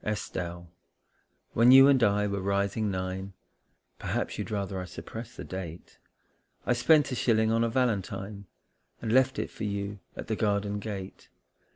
] ESTELLE, when you and I were rising nine Perhaps you'd rather I suppressed the date I spent a shilling on a valentine And left it for you at the garden gate.